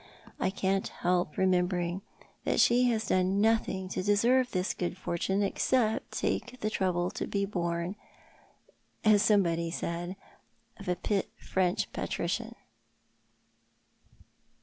I can't help remembering that she has done nothing to deserve this good fortune except take the trouble to bo born, as somebody said of a French patrician.